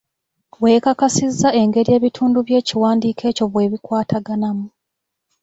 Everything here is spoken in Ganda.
Weekakasizza engeri ebintundu by'ekiwandiiko ekyo bwe bikwataganamu?